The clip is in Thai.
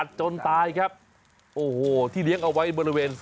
เอาล่ะเดินทางมาถึงในช่วงไฮไลท์ของตลอดกินในวันนี้แล้วนะครับ